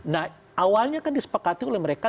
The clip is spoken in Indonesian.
nah awalnya kan disepakati oleh mereka